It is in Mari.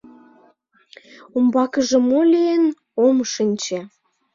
Умбакыже мо лийын — ом шинче.